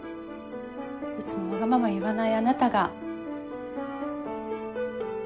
いつもわがまま言わないあなたが。